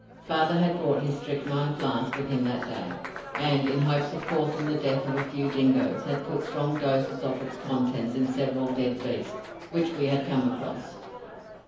Father had brought his strychnine flask with him that day, and in hopes of causing the death of a few dingoes, had put strong doses of its contents in several dead beasts which we had come across.